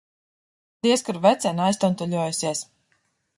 Diez kur vecene aiztuntuļojusies.